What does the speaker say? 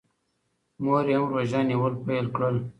مور یې هم روژه نیول پیل کړل.